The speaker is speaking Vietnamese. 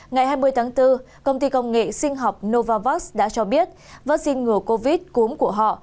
ngày hai mươi tháng bốn công ty công nghệ sinh học novavax đã cho biết vaccine ngừa covid cúm của họ